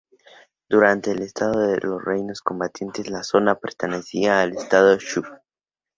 Durante el periodo de los Reinos Combatientes la zona pertenecía al Estado Shu.